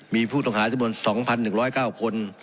มีผู้ต้องหาจำนวน๒๑๐๙คน